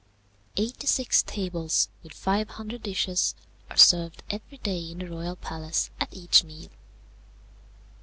"Eighty six tables, with five hundred dishes, are served every day in the royal palace at each meal.